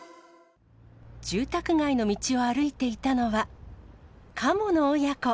住宅街の道を歩いていたのは、カモの親子。